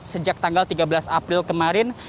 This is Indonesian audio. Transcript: sejak tanggal tiga belas april kemarin